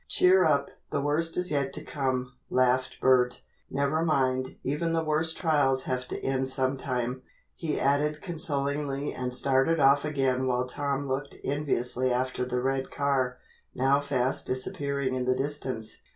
"Cheer up, the worst is yet to come," laughed Bert. "Never mind, even the worst trials have to end some time," he added consolingly and started off again while Tom looked enviously after the red car, now fast disappearing in the distance.